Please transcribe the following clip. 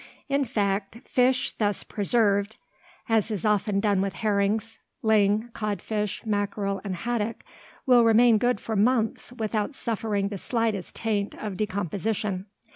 In fact, fish thus preserved, as is often done with herrings, ling, codfish, mackerel, and haddock, will remain good for months without suffering the slightest taint of decomposition.